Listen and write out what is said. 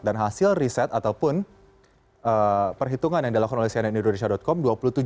dan hasil riset ataupun perhitungan yang dilakukan oleh cnn indonesia com